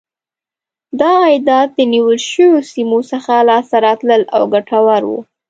دا عایدات له نیول شویو سیمو څخه لاسته راتلل او ګټور و.